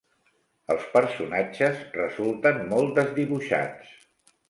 Els personatges resulten molt desdibuixats.